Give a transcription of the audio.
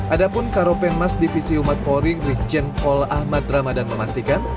adapun karopenmas divisi umat pori regent paul ahmad ramadhan memastikan